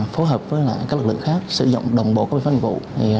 phối hợp với các lực lượng khác sử dụng đồng bộ các bệnh pháp nhiệm vụ